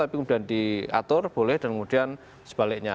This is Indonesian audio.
tapi kemudian diatur boleh dan kemudian sebaliknya